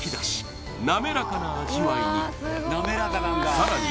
さらに